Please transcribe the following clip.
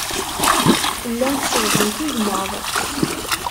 Llant sellḍent igmaḍ.